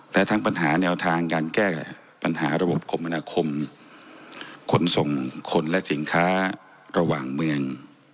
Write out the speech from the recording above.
และทั้งปัญหาแนวทางการแก้ปัญหาระบบคมนาคมขนส่งคนและสินค้าระหว่างเมือง